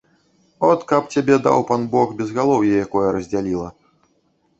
От каб цябе, даў пан бог, безгалоўе якое раздзяліла!